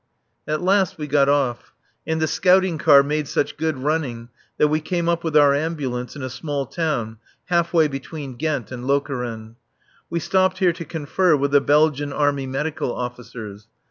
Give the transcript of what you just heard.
At last we got off; and the scouting car made such good running that we came up with our Ambulance in a small town half way between Ghent and Lokeren. We stopped here to confer with the Belgian Army Medical officers.